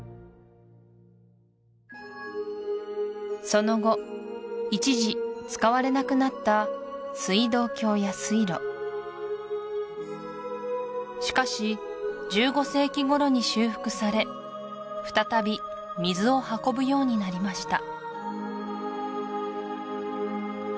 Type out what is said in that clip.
その後一時使われなくなった水道橋や水路しかし１５世紀頃に修復され再び水を運ぶようになりました